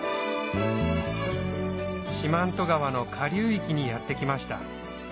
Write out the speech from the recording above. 四万十川の下流域にやって来ました